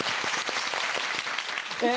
え